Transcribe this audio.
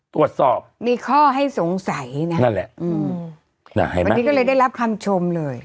ตรวจสอบมีข้อให้สงสัยนะนั่นแหละอืมวันนี้ก็เลยได้รับคำชมเลย